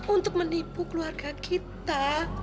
untuk menipu keluarga kita